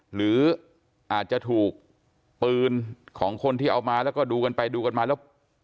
หรืออาจจะถูกปืนของคนที่เอามาแล้วก็ดูกันไปดูกันมาแล้ว